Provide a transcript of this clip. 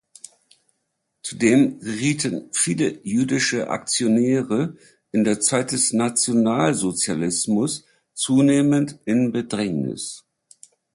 Zudem gerieten viele jüdische Aktionäre in der Zeit des Nationalsozialismus zunehmend in Bedrängnis.